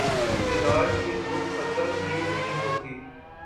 اقتدار کی ہوس ختم ہی نہیں ہوتی